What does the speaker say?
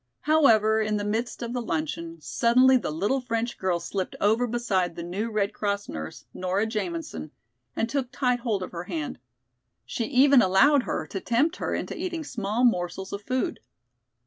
However, in the midst of the luncheon, suddenly the little French girl slipped over beside the new Red Cross nurse, Nora Jamison, and took tight hold of her hand. She even allowed her to tempt her into eating small morsels of food.